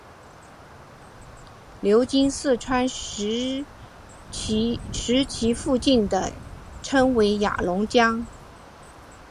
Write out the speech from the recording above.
流经四川石渠附近时称为雅砻江。